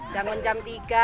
jangan jam tiga